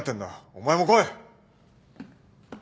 お前も来い！